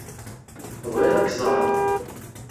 Bɣiɣ ad k-ẓṛeɣ.